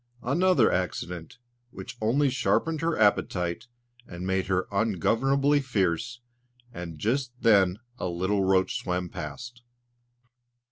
Another accident which only sharpened her appetite and made her ungovernably fierce; and just then a little roach swam past.